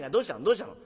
どうしたの？」。